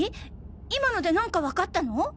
今ので何かわかったの？